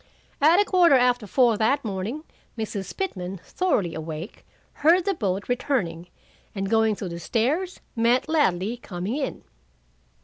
"'At a quarter after four that morning Mrs. Pitman, thoroughly awake, heard the boat returning, and going to the stairs, met Ladley coming in.